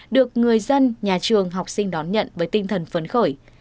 được người dân nhà trường học sinh đón nhận với tinh thần phấn khởi